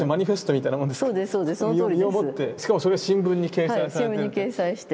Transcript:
しかもそれが新聞に掲載されて。